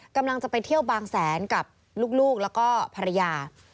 กำลังจะไปเที่ยวบางแสนกับลูกแล้วก็ภรรยา